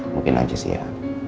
mungkin aja sih ya